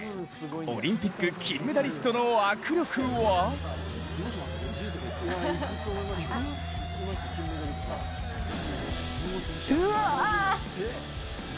オリンピック金メダリストの握力はうわあ！